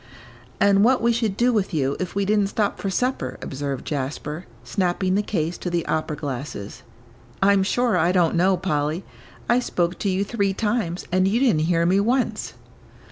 "And what we should do with you if we didn't stop for supper," observed Jasper, snapping the case to the opera glasses, "I'm sure I don't know, Polly. I spoke to you three times, and you didn't hear me once."